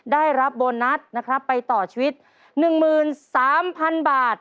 ได้รับโบนัสนะครับไปต่อชีวิต๑๓๐๐๐บาท